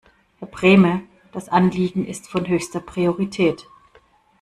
Herr Brehme, das Anliegen ist von höchster Priorität.